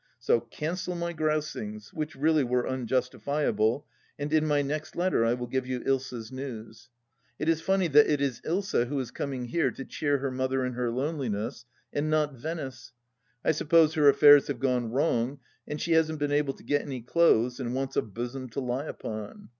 So cancel my grousings, which really were unjustifiable, and in my next letter I will give you Ilsa's news. It is funny that it is Dsa who is coming here to cheer her mother in her loneliness, and not Venice. I suppose her affairs have gone wrong and she hasn't been able to get any clothes, and wants a bosom to lie upon.